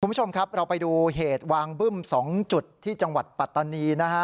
คุณผู้ชมครับเราไปดูเหตุวางบึ้ม๒จุดที่จังหวัดปัตตานีนะฮะ